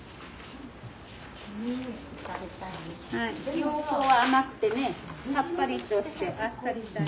両方甘くてねさっぱりとしてあっさり。